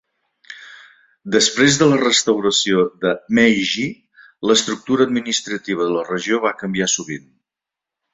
Després de la restauració de Meiji, l'estructura administrativa de la regió va canviar sovint.